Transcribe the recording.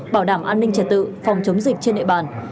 bảo đảm an ninh trật tự phòng chống dịch trên nệ bản